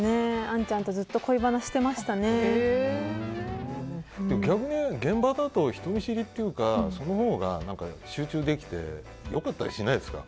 アンちゃんとずっと逆に、現場だと人見知りっていうか、そのほうが集中できて良かったりしないですか？